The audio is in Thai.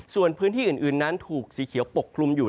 ส่วนพื้นที่อื่นนั้นถูกสีเขียวปกคลุมอยู่